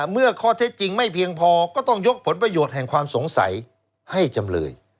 เมื่อข้อเท็จจริงไม่เพียงพอก็ต้องยกผลประโยชน์แห่งความสงสัยให้จำเลย